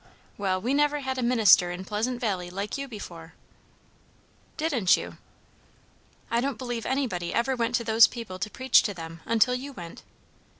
"Well, we never had a minister in Pleasant Valley like you before." "Didn't you?" "I don't believe anybody ever went to those people to preach to them, until you went."